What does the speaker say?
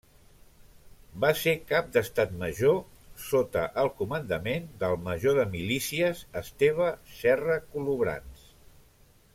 Va ser Cap d'Estat Major, sota el comandament del major de milícies Esteve Serra Colobrans.